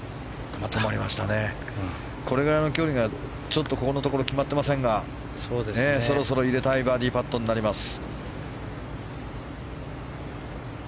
これぐらいの距離がここのところ決まっていませんがそろそろ入れたいバーディーパットになります。